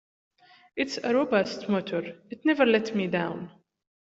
It's a robust motor, it never let me down.